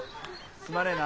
すまねぇな。